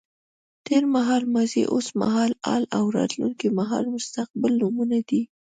تېر مهال ماضي، اوس مهال حال او راتلونکی مهال مستقبل نومونه دي.